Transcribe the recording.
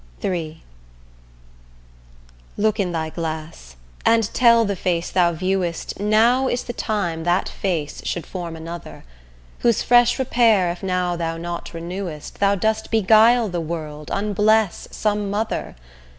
III Look in thy glass and tell the face thou viewest Now is the time that face should form another; Whose fresh repair if now thou not renewest, Thou dost beguile the world, unbless some mother.